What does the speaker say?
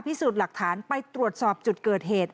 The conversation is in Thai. พิสูจน์หลักฐานไปตรวจสอบจุดเกิดเหตุ